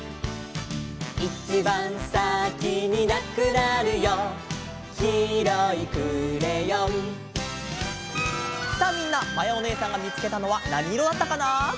「いちばんさきになくなるよ」「きいろいクレヨン」さあみんなまやおねえさんがみつけたのはなにいろだったかな？